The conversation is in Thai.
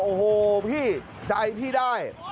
โอ้โหพี่ใจพี่ได้